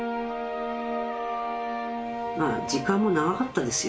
まあ時間も長かったですよ。